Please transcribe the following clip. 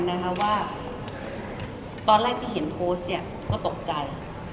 นะคะว่าตอนแรกที่เห็นโพสต์เนี่ยก็ตกใจ